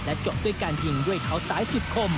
และจบด้วยการยิงด้วยเขาสายสุดคม